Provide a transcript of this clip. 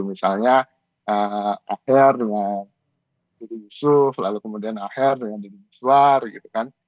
misalnya akhir dengan didi yusuf lalu kemudian akhir dengan didi buswar gitu kan